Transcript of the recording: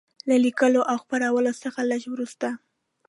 له لیکلو او خپرولو څخه لږ وروسته.